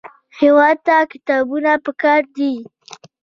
هېواد ته کتابونه پکار دي